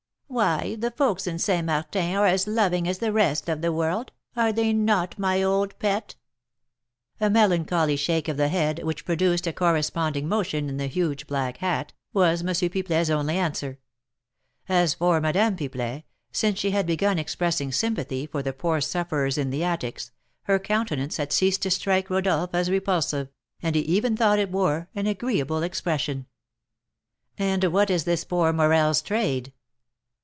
Why, the folks in St. Martin are as loving as the rest of the world; are they not, my old pet?" A melancholy shake of the head, which produced a corresponding motion in the huge black hat, was M. Pipelet's only answer. As for Madame Pipelet, since she had begun expressing sympathy for the poor sufferers in the attics, her countenance had ceased to strike Rodolph as repulsive, and he even thought it wore an agreeable expression. "And what is this poor Morel's trade?"